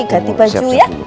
ganti baju ya